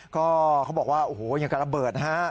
ก็เขาบอกว่าโอ้โหยังกับระเบิดนะฮะ